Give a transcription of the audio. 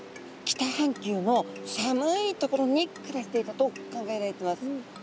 北半球の寒い所に暮らしていたと考えられてます。